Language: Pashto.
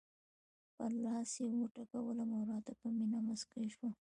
پر لاس یې وټکولم او راته په مینه مسکی شول.